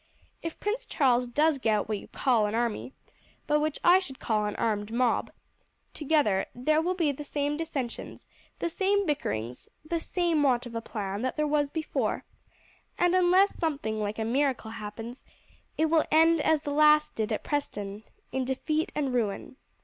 If Prince Charles does get what you call an army, but which I should call an armed mob, together, there will be the same dissensions, the same bickerings, the same want of plan that there was before; and unless something like a miracle happens it will end as the last did at Preston, in defeat and ruin.